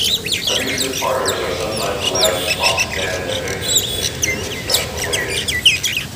Abusive partners are sometimes allowed to cross examine their victims in extremely stressful ways.